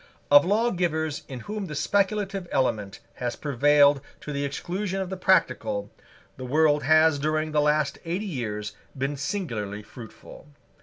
Of lawgivers in whom the speculative element has prevailed to the exclusion of the practical, the world has during the last eighty years been singularly fruitful.